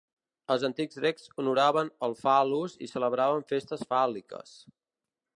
Els antics grecs honoraven el fal·lus i celebraven festes fàl·liques.